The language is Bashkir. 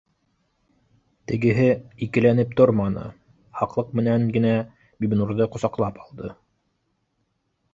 Тегеһе ике- мәнеп торманы, һаҡлыҡ менән генә Бибинурҙы ҡосаҡлап алды